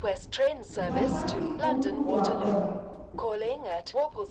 wasampi kurku rwakora